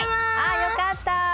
あよかった！